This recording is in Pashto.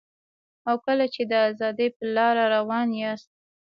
او کله چي د ازادۍ په لاره روان یاست